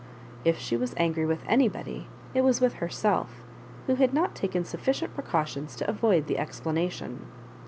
If she was angry with anybody, it was with her self, who had not taken sufficient precautions to avoid the explanation.